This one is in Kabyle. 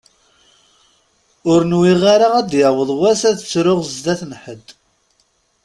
Ur nwiɣ ara ad d-yaweḍ wass ad ttruɣ sdat n ḥedd.